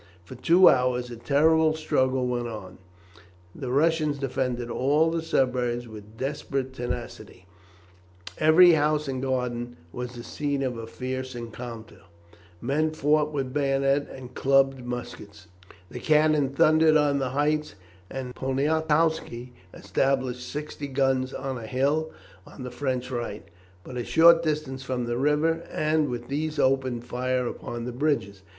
For two hours a terrible struggle went on. The Russians defended all the suburbs with desperate tenacity, every house and garden was the scene of a fierce encounter, men fought with bayonet and clubbed muskets, the cannon thundered on the heights, and Poniatowski established sixty guns on a hill on the French right, but a short distance from the river, and with these opened fire upon the bridges.